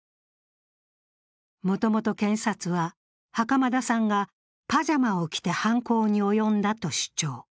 もともと検察は、袴田さんがパジャマを着て犯行に及んだと主張。